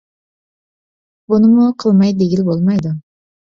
بۇنىمۇ قىلمايدۇ دېگىلى بولمايدۇ.